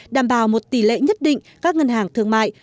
đảm bảo một tỷ lệ nhất định các ngân hàng thương mại